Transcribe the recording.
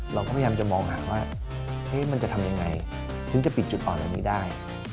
เราก็พยายามจะมองหาว่ามันจะทำยังไงถึงจะปิดจุดอ่อนเหล่านี้ได้